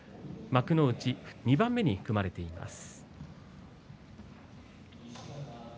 幕内、２番目に組まれています。